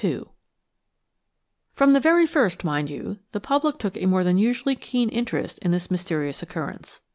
2 FROM the very first, mind you, the public took a more than usually keen interest in this mysterious occurrence.